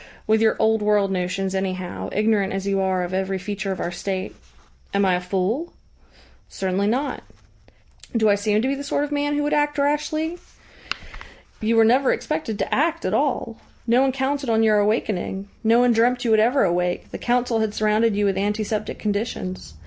"With your old world notions, anyhow, ignorant as you are of every feature of our State." "Am I a fool?" "Certainly not." "Do I seem to be the sort of man who would act rashly?" "You were never expected to act at all. No one counted on your awakening. No one dreamt you would ever awake. The Council had surrounded you with antiseptic conditions.